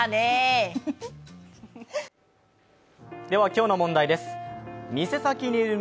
今日の問題です。